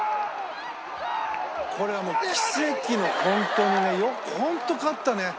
「これはもう奇跡の本当にねホント勝ったね」